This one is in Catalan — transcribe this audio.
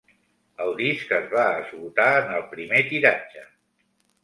El disc es va esgotar en el primer tiratge.